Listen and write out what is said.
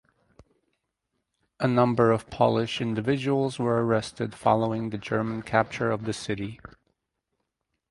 A number of Polish individuals were arrested following the German capture of the city.